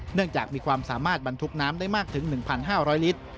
เนื่องจากมีความสามารถบรรทุกน้ำได้มากถึง๑๕๐๐ลิตร